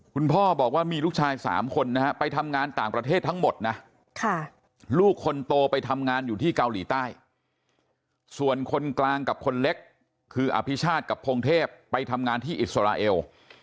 คุณพ่อบอกว่ามีลูกชาย๓คนนะฮะไปทำงานต่างประเทศทั้งหมดนะลูกคนโตไปทำงานอยู่ที่เกาหลีใต้ส่วนคนกลางกับคนเล็กคืออภิชาติกับพงเทพไปทำงานที่อิสราเอล